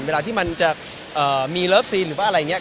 เวลาที่มันจะมีเลิฟซีนหรือว่าอะไรอย่างนี้